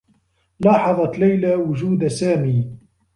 لاحظت ليلى وجود سامي.